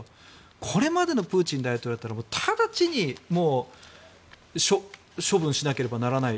これまでのプーチン大統領だったら直ちに処分しなければならない。